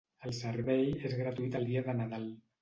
El servei és gratuït el dia de Nadal.